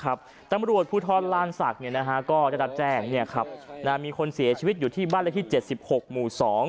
และตำรวจผู้ท้อนลาโมรันซักซ์ได้แจ้งสีเอชวิตอยู่ในบ้านที่๗๖หมู่๒